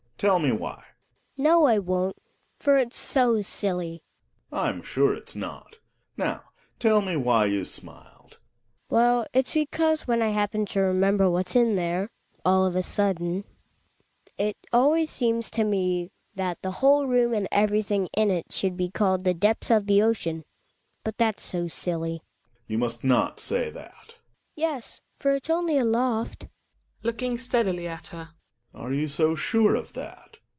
Tell me why. Hedvig. No, I won't, for it's so silly Gregers. I'm sure it's not Now, tell me why you smiled ?, Hedviq. Well, it's because when I happen to remem ber what's in there — all of a sudden — it always \ seemsToja e thaf the whole room an d everything iq ^ j should be called the "depths of the ocean" — but / that's so sillY. / Gregers. You must not say that. < Hedvig. Yes, for it's only a loft. Gregers (looking steadily at her). Are you so sure of that?